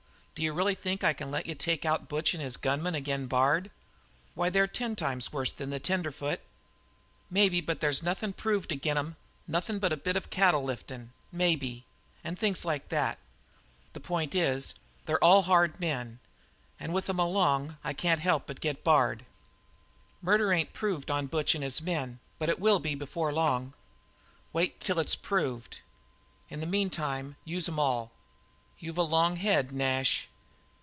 D'you really think I can let you take out Butch and his gunmen ag'in' Bard? Why, they're ten times worse'n the tenderfoot." "Maybe, but there's nothin' proved ag'in' 'em nothin' but a bit of cattle liftin', maybe, and things like that. The point is, they're all hard men, and with 'em along I can't help but get Bard." "Murder ain't proved on Butch and his men, but it will be before long." "Wait till it's proved. In the meantime use em all." "You've a long head, Nash."